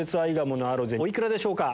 お幾らでしょうか？